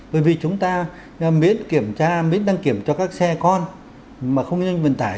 bởi vì chúng ta miễn kiểm tra miễn đăng kiểm cho các xe con mà không kinh doanh vận tải